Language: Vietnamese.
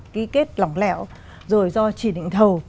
cái kết lỏng lẹo rồi do chỉ định thầu